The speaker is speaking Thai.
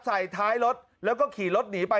ใส่ท้ายรถแล้วก็ขี่รถหนีไป